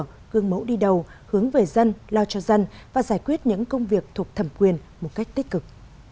gương mẫu đi đầu hướng về dân lo cho dân và giải quyết những công việc thuộc thẩm quyền một cách tích cực